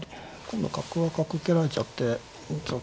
今度角は角受けられちゃってちょっと。